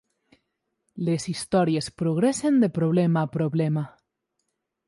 Les històries progressen de problema a problema.